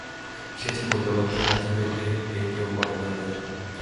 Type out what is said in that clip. সে যে বলিবামাত্রই রাজি হইবে, এ কেহ মনে করে নাই।